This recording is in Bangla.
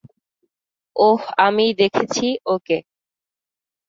ওহ, আমি দেখেছি ওকে।